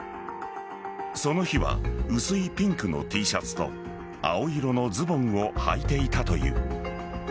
その日は薄いピンクのＴシャツと青色のズボンをはいていたという。